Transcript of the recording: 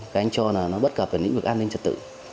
cái anh cho là nó bất cập về những việc an ninh trật tự